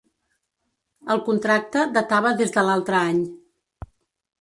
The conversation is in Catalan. El contracte datava des de l'altre any.